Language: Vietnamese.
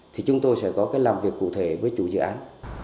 thì chúng tôi sẽ có cái làm việc cụ thể với chủ dự án